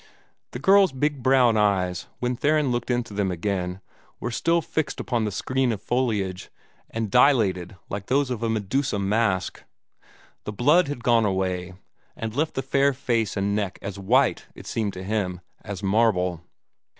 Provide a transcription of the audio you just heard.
The girl's big brown eyes, when Theron looked into them again, were still fixed upon the screen of foliage, and dilated like those of a Medusa mask. The blood had gone away, and left the fair face and neck as white, it seemed to him, as marble.